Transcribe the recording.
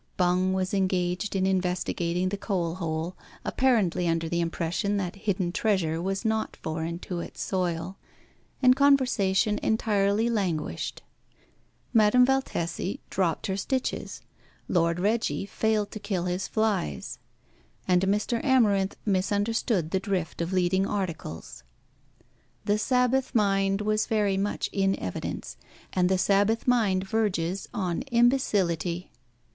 Bung was engaged in investigating the coal hole, apparently under the impression that hidden treasure was not foreign to its soil; and conversation entirely languished. Madame Valtesi dropped her stitches, Lord Reggie failed to kill his flies, and Mr. Amarinth misunderstood the drift of leading articles. The Sabbath mind was very much in evidence, and the Sabbath mind verges on imbecility.